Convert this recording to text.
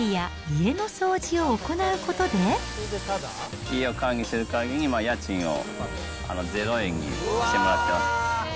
家を管理する代わりに家賃を０円にしてもらってます。